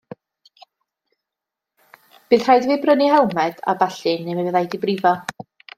Bydd rhaid i fi brynu helmed a ballu neu mi fydda i 'di brifo.